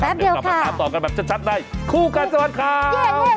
เดี๋ยวกลับมาตามต่อกันแบบชัดในคู่กัดสะบัดข่าว